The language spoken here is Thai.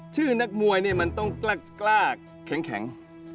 ชื่อนักมวยมันต้องกล้ากล้าแข็ง